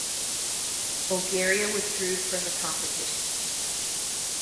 Bulgaria withdraw from the competition.